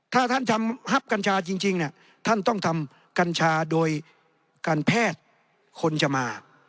ถ้าท่านทำฮับกัญชาจริงท่านต้องทำกัญชาโดยการแพทย์คนจะมา